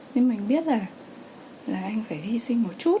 nên mình biết là anh phải hy sinh một chút